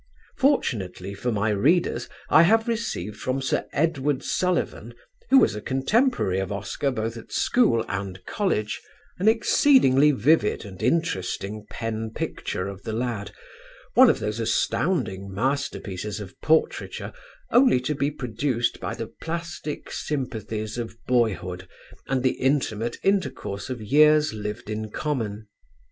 Fortunately for my readers I have received from Sir Edward Sullivan, who was a contemporary of Oscar both at school and college, an exceedingly vivid and interesting pen picture of the lad, one of those astounding masterpieces of portraiture only to be produced by the plastic sympathies of boyhood and the intimate intercourse of years lived in common.